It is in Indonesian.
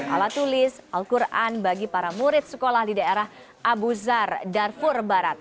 alat tulis al quran bagi para murid sekolah di daerah abu zar darfur barat